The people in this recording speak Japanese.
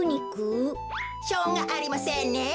しょうがありませんね。